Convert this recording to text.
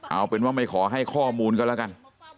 เอาเป็นว่าไม่ขอให้ข้อมูลก็แล้วกัน